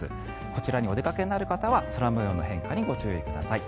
こちらにお出かけになる方は空模様の変化にご注意ください。